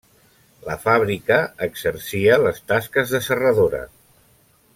La fàbrica exercia les tasques de serradora.